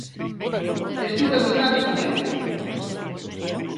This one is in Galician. Estivo emigrado en América.